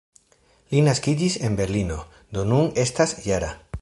Li naskiĝis en Berlino, do nun estas -jara.